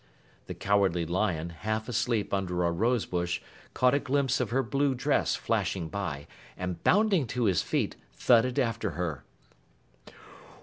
The Cowardly Lion, half asleep under a rose bush, caught a glimpse of her blue dress flashing by, and bounding to his feet thudded after her.